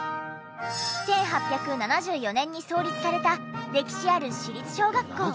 １８７４年に創立された歴史ある私立小学校。